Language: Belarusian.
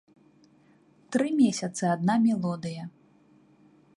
Тры месяцы адна мелодыя.